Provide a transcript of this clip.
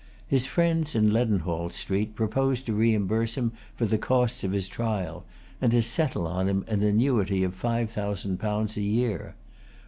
His friends in Leadenhall Street proposed to reimburse him for the costs of his trial, and to settle on him an annuity of five thousand pounds a year.